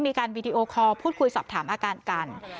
มีการวีดีโอคอลพูดคุยสอบถามอาการกัน